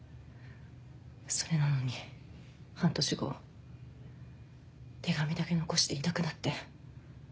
それなのに半年後手紙だけ残していなくなって。